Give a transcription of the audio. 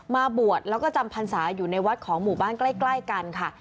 มาบวชแล้วก็จำพรรษาอยู่ในวัดของหมู่บ้านใกล้กันค่ะ